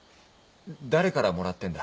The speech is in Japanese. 誰からもらってんだ？